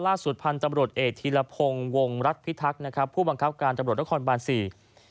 ล่าสุดพันธุ์ตำรวจเอกธีรพงศ์วงรัฐพิทักษ์นะครับผู้บังคับการตำรวจนครบานสี่